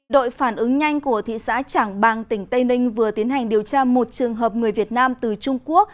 đội phản ứng nhanh của thị xã trảng bàng tỉnh tây ninh vừa tiến hành điều tra một trường hợp người việt nam từ trung quốc